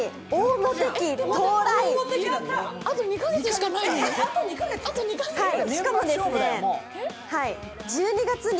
あと２カ月しかないのに。